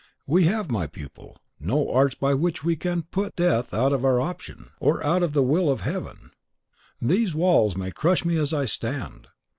We have, my pupil, no arts by which we CAN PUT DEATH OUT OF OUR OPTION, or out of the will of Heaven. These walls may crush me as I stand.